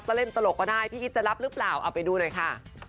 ก็เล่นตลกก็ได้พี่อีทจะรับหรือเปล่าเอาไปดูหน่อยค่ะ